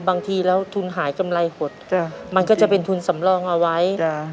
บางทีแล้วทุนหายกำไรหดจ้ะมันก็จะเป็นทุนสำรองเอาไว้จ้ะ